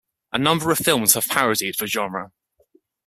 A number of films have parodied the genre.